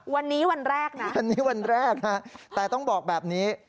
วันนี้วันแรกนะฮะแต่ต้องบอกแบบนี้